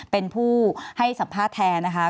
เป็นผู้ให้สัมภาษณ์แทนนะคะ